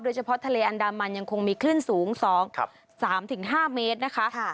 เฉพาะทะเลอันดามันยังคงมีคลื่นสูง๒๓๕เมตรนะคะ